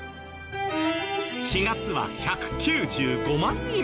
４月は１９５万人。